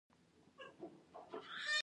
پاچا پښتو ژبې غوړېدو ته پام نه کوي .